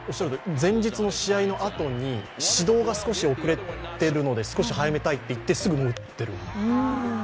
確かに、前日の試合のあとに始動が少し遅れているので少し早めたいって言ってすぐやっている。